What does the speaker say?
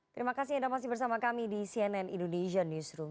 terima kasih anda masih bersama kami di cnn indonesia newsroom